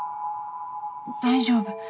大丈夫。